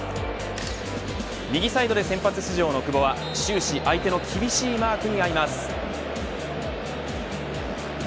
右サイドで先発出場の久保は終始相手の厳しいマークにあいます。